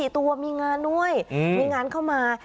ตัวมีงานด้วยมีงานเข้ามา